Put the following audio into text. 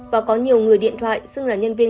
và có nhiều người điện thoại xưng là nhân viên